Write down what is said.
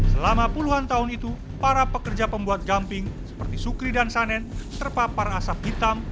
selama puluhan tahun itu para pekerja pembuat gamping seperti sukri dan sanen terpapar asap hitam